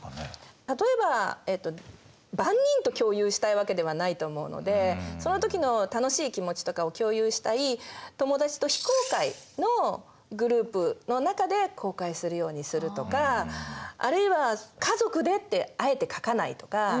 例えば万人と共有したいわけではないと思うのでその時の楽しい気持ちとかを共有したい友達と非公開のグループの中で公開するようにするとかあるいは「家族で」ってあえて書かないとか